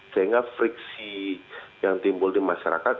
sehingga friksi yang timbul di masyarakat